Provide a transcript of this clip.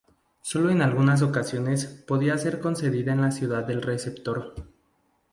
Sólo en algunas ocasiones podía ser concedida en la ciudad del receptor.